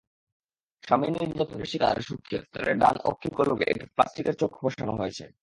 স্বামীর নির্যাতনের শিকার সুখী আক্তারের ডান অক্ষিগোলকে একটি প্লাস্টিকের চোখ বসানো হয়েছে।